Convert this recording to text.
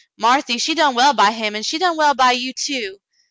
Marthy, she done well by him, an' she done well by 3^ou, too.